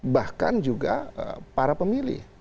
bahkan juga para pemilih